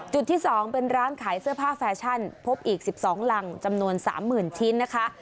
จุดที่๒เป็นร้านขายเสื้อผ้าแฟชั่นพบอีก๑๒หลังจำนวน๓๐๐๐ชิ้นนะคะ